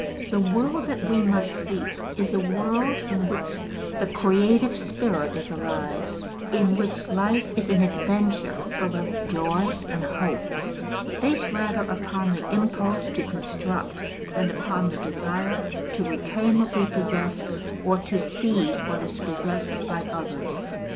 The world that we must seek is a world in which the creative spirit is alive, in which life is an adventure full of joy and hope, based rather upon the impulse to construct than upon the desire to retain what we possess or to seize what is possessed by others.